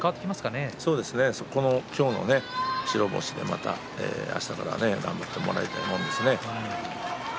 今日の白星でまたあしたから頑張ってもらいたいものですね。